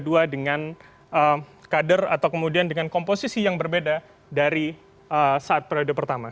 dengan kader atau kemudian dengan komposisi yang berbeda dari saat periode pertama